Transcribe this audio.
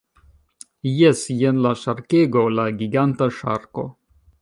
Jes. Jen la ŝarkego. La giganta ŝarko.